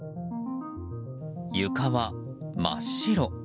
床は真っ白。